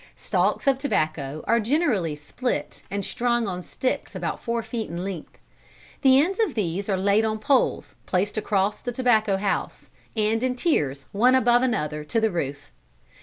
Stalks of tobacco are generally split and strung on sticks about four feet in length. The ends of these are laid on poles placed across the tobacco house, and in tiers one above another, to the roof.